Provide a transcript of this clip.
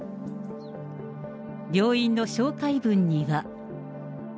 病院の紹介文には。